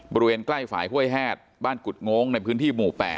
บริเวณใกล้ฝ่ายห้วยแฮดบ้านกุฎโง้งในพื้นที่หมู่๘